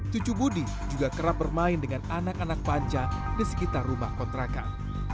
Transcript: cucu budi juga kerap bermain dengan anak anak panca di sekitar rumah kontrakan